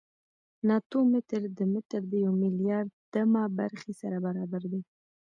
ناتو متر د متر د یو میلیاردمه برخې سره برابر دی.